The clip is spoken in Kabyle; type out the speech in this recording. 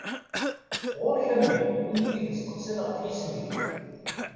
Ɣur-k a mmi! Win i k-id-iseqsan ɣef yisem-ik.